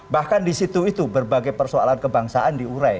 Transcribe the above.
bahkan di situ itu berbagai persoalan kebangsaan diurai